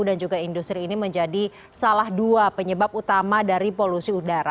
dan juga industri ini menjadi salah dua penyebab utama dari polusi udara